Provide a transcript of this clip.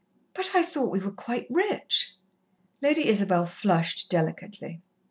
"But I thought we were quite rich." Lady Isabel flushed delicately.